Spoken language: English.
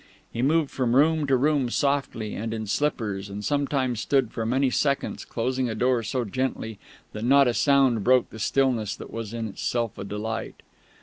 He moved from room to room softly and in slippers, and sometimes stood for many seconds closing a door so gently that not a sound broke the stillness that was in itself a delight.